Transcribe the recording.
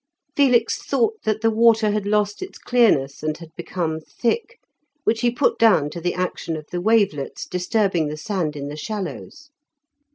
Felix thought that the water had lost its clearness and had become thick, which he put down to the action of the wavelets disturbing the sand in the shallows.